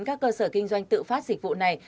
các cơ sở kinh doanh tự phát dịch vụ này